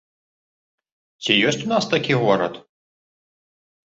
Ці ёсць у нас такі горад?